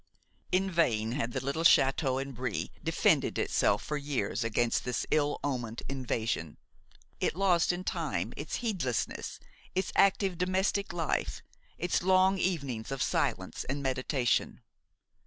In vain had the little château in Brie defended itself for years against this ill omened invasion; it lost in time its heedlessness, its active domestic life, its long evenings of silence and meditation.